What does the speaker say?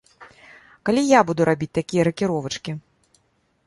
Калі я буду рабіць такія ракіровачкі?